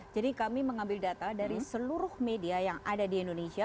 jadi kami mengambil data dari seluruh media yang ada di indonesia